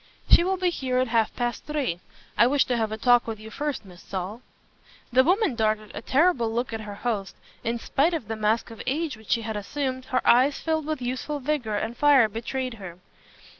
"She will be here at half past three. I wish to have a talk with you first, Miss Saul." The woman darted a terrible look at her host. In spite of the mask of age which she had assumed, her eyes filled with youthful vigor and fire betrayed her.